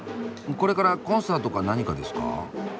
これからコンサートか何かですか？